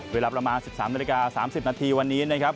เวลาประมาณ๑๓นาฬิกา๓๐นาทีวันนี้นะครับ